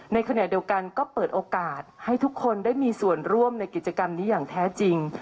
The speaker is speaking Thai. ในขณะเดียวกันก็เปิดโอกาสให้ทุกคนได้มีส่วนร่วมในกิจกรรมนี้อย่างแท้จริง